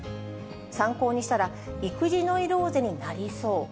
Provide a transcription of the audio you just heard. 参考にしたら育児ノイローゼになりそう。